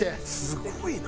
すごいな。